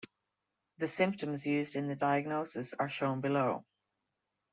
The symptoms used in the diagnosis are shown below.